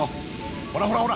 ほらほらほら